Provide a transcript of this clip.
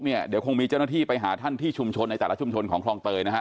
เดี๋ยวคงมีเจ้าหน้าที่ไปหาท่านที่ชุมชนในแต่ละชุมชนของคลองเตยนะฮะ